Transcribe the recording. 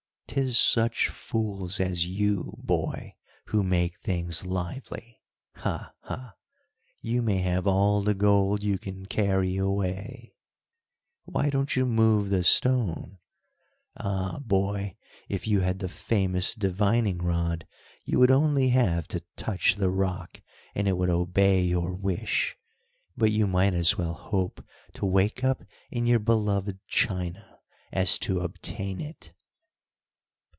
"'Tis such fools as you, boy, who make things lively. Ha! ha! You may have all the gold you can carry away! "Why don't you move the stone? Ah! boy, if you had the famous divining rod, you would only have to touch the rock, and it would obey your wish, but you might as well hope to wake up in your beloved China, as to obtain it."